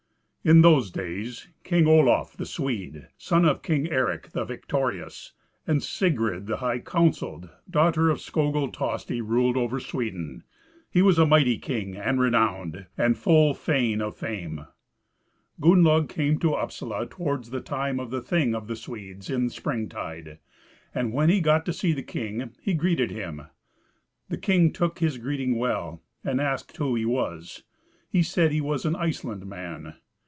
In those days King Olaf the Swede, son of King Eric the Victorious, and Sigrid the High counselled, daughter of Skogul Tosti, ruled over Sweden. He was a mighty king and renowned, and full fain of fame. Gunnlaug came to Upsala towards the time of the Thing of the Swedes in spring tide; and when he got to see the king, he greeted him. The king took his greeting well, and asked who he was. He said he was an Iceland man.